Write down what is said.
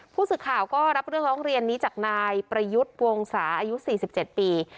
ผู้สื่อข่าวก็รับเรื่องร้องเรียนนี้จากนายประยุทธ์วงศาอายุ๔๗ปี